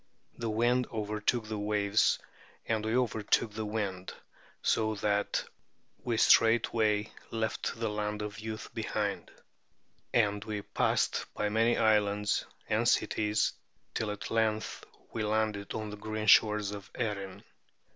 The wind overtook the waves and we overtook the wind, so that we straightway left the Land of Youth behind; and we passed by many islands and cities till at length we landed on the green shores of Erin.